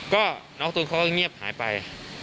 ก็น้องตูนเขาก็เงียบหายไป